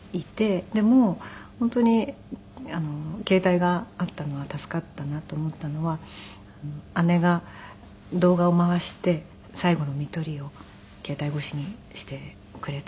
でも本当に携帯があったのが助かったなと思ったのは姉が動画を回して最期のみとりを携帯越しにしてくれたので。